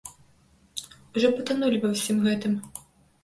Ужо патанулі ва ўсім гэтым!